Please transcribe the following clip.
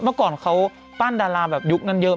เมื่อก่อนเขาปั้นดาราแบบยุคนั้นเยอะ